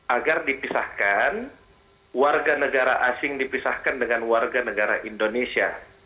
agar dipisahkan warga negara asing dipisahkan dengan warga negara indonesia